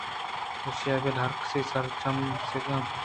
ایشاں بل ہرکسی سرا چم سّک اَنت